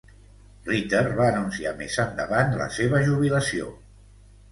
Ritter va anunciar més endavant la seva jubilació.